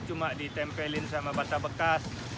cuma ditempelin sama bata bekas